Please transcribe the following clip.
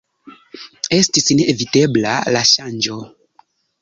Estis ne evitebla la ŝanĝo.